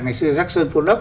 ngày xưa jackson four lock